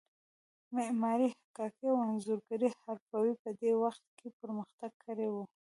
معمارۍ، حکاکۍ او انځورګرۍ حرفو په دې وخت کې پرمختګ کړی و.